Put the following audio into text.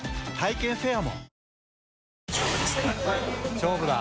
勝負だ！